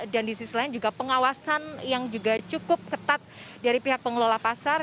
dan di sisi lain juga pengawasan yang juga cukup ketat dari pihak pengelola pasar